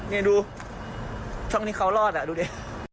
นี่ดูช่องที่เขารอดดูดิ